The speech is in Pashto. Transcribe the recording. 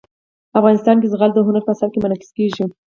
افغانستان کې زغال د هنر په اثار کې منعکس کېږي.